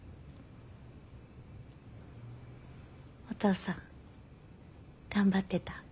お父さん頑張ってた？